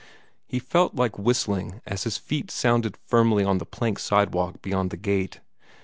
He felt like whistling as his feet sounded firmly on the plank sidewalk beyond the gate.